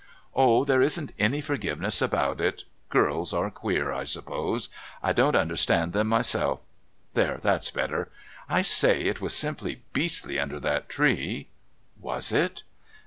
"Oh, there isn't any forgiveness about it. Girls are queer, I suppose. I don't understand them myself. There, that's better... I say, it was simply beastly under that tree " "Was it?"